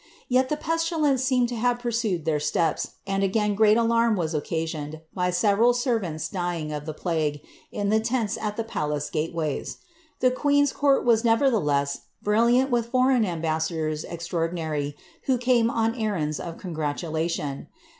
Tet, the pestilence seemed to pursue their steps, and again great alarm was occasioned by several servants dying of the plague, in the tents at the palace gateways. The queen's court was neveitheless brilliant with foreign ambassadors extraordinary, who came on errands of congratulation.